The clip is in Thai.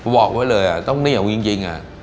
บอกไว้เลยอ่ะต้องเนี่ยวจริงอ่ะ